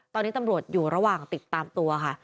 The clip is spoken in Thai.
ตอนนี้ตำรวจอยู่ระหว่างติดตามตัวค่ะ